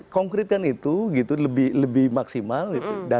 konkritkan itu gitu lebih maksimal